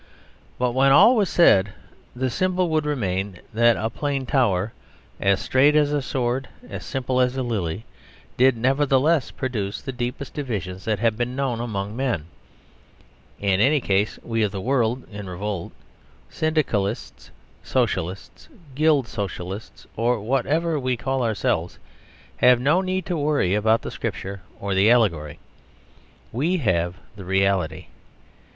But when all was said, the symbol would remain that a plain tower, as straight as a sword, as simple as a lily, did nevertheless produce the deepest divisions that have been known among men. In any case we of the world in revolt Syndicalists, Socialists, Guild Socialists, or whatever we call ourselves have no need to worry about the scripture or the allegory. We have the reality.